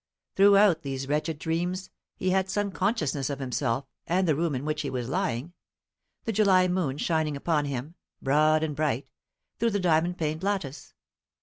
Throughout these wretched dreams he had some consciousness of himself and the room in which he was lying, the July moon shining upon him, broad and bright, through the diamond paned lattice.